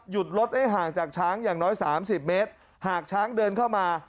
รถได้ห่างจากช้างอย่างน้อยสามสิบเมตรหากช้างเดินเข้ามา